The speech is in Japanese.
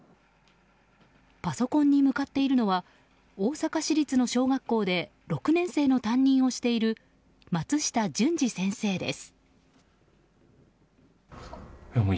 パソコンに向かっているのは大阪市立の小学校で６年生の担任をしている松下隼司先生です。